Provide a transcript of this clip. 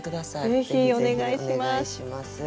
ぜひお願いします。